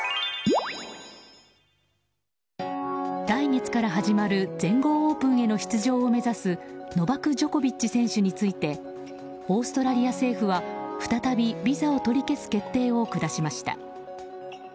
来月から始まる全豪オープンへの出場を目指すノバク・ジョコビッチ選手についてオーストラリア政府は再びビザを取り消す決定を下しました。